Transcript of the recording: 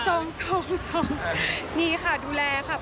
ส่องมีค่ะดูแลค่ะ